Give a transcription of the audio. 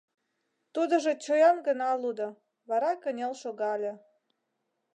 Тудыжо чоян гына лудо, вара кынел шогале.